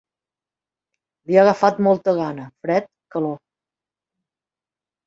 Li ha agafat molta gana, fred, calor.